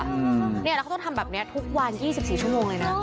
แล้วเขาต้องทำแบบนี้ทุกวัน๒๔ชั่วโมงเลยนะ